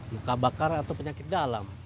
luka bakar atau penyakit dalam